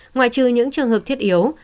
ngoại trừ những trường hợp thiết yếu